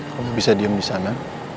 kamu bisa diem disana